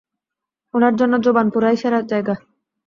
ওনার জন্য জোবানপুরাই সেরা জায়গা।